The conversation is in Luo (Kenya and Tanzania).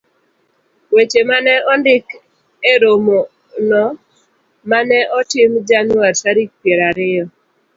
Weche ma ne ondik e romono ma ne otim Januar tarik piero ariyo,